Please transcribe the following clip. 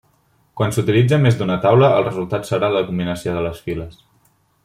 Quan s'utilitza més d'una taula, el resultat serà la combinació de les files.